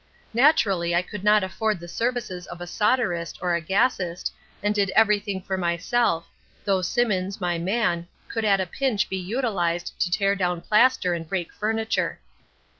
Naturally I could not afford the services of a solderist or a gassist and did everything for myself, though Simmons, my man, could at a pinch be utilized to tear down plaster and break furniture."